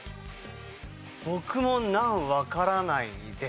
僕も難わからないです。